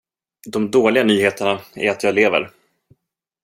De dåliga nyheterna är att jag lever.